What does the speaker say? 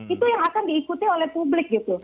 itu yang akan diikuti oleh publik gitu